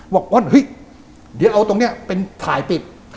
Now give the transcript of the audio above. บอกเอาตรงนี้ถ่ายปิด